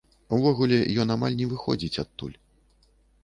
Увогуле, ён амаль не выходзіць адтуль.